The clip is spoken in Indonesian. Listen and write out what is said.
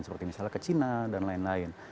seperti misalnya ke cina dan lain lain